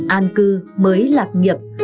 an cư mới lạc nghiệp